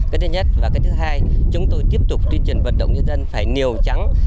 cái thứ nhất và cái thứ hai chúng tôi tiếp tục tuyên truyền vận động nhân dân phải nghèo trắng